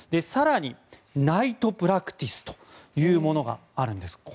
更にナイトプラクティスというものがあるんです。